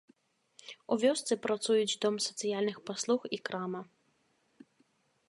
У вёсцы працуюць дом сацыяльных паслуг і крама.